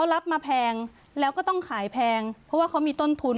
รับมาแพงแล้วก็ต้องขายแพงเพราะว่าเขามีต้นทุน